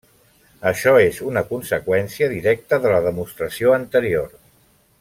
Això és una conseqüència directa de la demostració anterior.